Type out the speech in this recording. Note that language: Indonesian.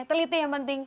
teliti yang penting